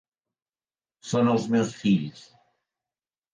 Són els meus fills.